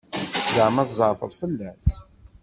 Ẓeɛma tzeɛfeḍ fell-as?